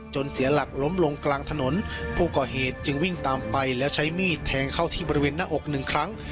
เสียหลักล้มลงกลางถนนผู้ก่อเหตุจึงวิ่งตามไปแล้วใช้มีดแทงเข้าที่บริเวณหน้าอกหนึ่งครั้ง